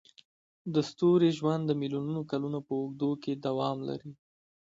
د ستوري ژوند د میلیونونو کلونو په اوږدو کې دوام لري.